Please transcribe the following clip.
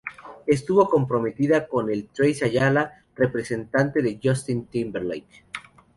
Estuvo comprometida con Trace Ayala, representante de Justin Timberlake.